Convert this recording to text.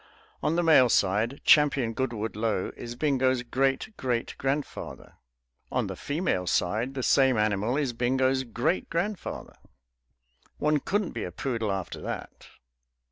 On the male side Champion Goodwood Lo is Bingo's great great grandfather. On the female side the same animal is Bingo's great grandfather. One couldn't be a poodle after that.